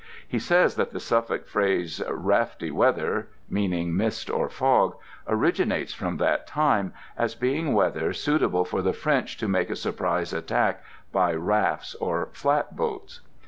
He says that the Suffolk phrase 'rafty weather' (meaning mist or fog) originates from that time, as being weather suitable for the French to make a surprise attack by rafts or flat boats.